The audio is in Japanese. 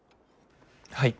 はい。